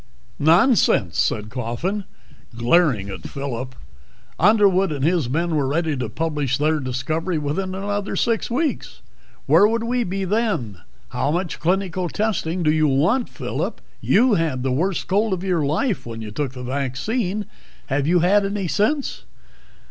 "Nonsense," said Coffin, glaring at Phillip. "Underwood and his men were ready to publish their discovery within another six weeks. Where would we be then? How much clinical testing do you want? Phillip, you had the worst cold of your life when you took the vaccine. Have you had any since?"